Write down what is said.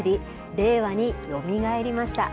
令和によみがえりました。